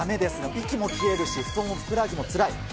息も切れるし、太もももふくらはぎもつらい。